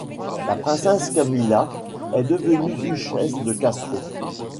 La princesse Camilla est devenue duchesse de Castro.